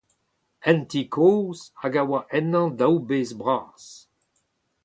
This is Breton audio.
Un ti kozh hag a oa ennañ daou bezh bras.